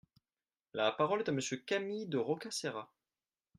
La parole est à Monsieur Camille de Rocca Serra.